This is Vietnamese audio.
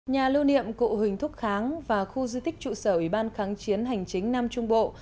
nhà lưu niệm cụ huỳnh thúc kháng và khu di tích trụ sở ủy ban kháng chiến hành chính nam trung bộ